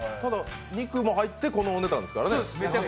肉も入ってこのお値段ですからね。